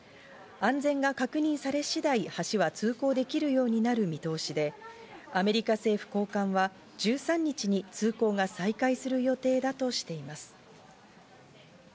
安全が確認され次第、橋は通行できるようになる見通しで、アメリカ政府高官は１３日に通行が再開する予定だとしています。